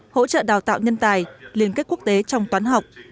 hỗ trợ đào tạo nhân tài liên kết quốc tế trong toán học